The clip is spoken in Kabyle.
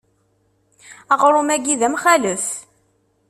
Aɣrum-agi d amxalef.